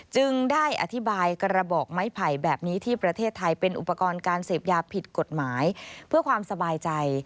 จึงได้อธิบายกระบอกไม้ไผ่แบบนี้ที่ประเทศไทยเป็นอุปกรณ์การเสพยาผิดกฎหมายเพื่อความสบายใจ